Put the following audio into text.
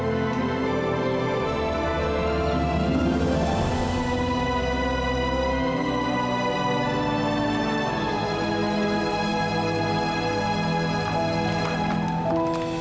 nggak usah kamu fikirin ya